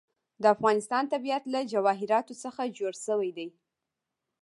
د افغانستان طبیعت له جواهرات څخه جوړ شوی دی.